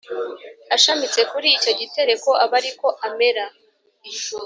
Ashamitse kuri icyo gitereko aba ari ko amera